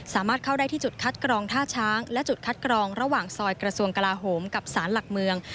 สามารถเข้าได้ที่จุดคัดกรองท่าช้างและจุดคัดกรองระหว่างซอยกระทรวงกลาโหมกับสารหลักเมือง